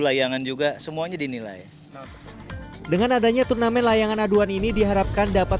layangan juga semuanya dinilai dengan adanya turnamen layangan aduan ini diharapkan dapat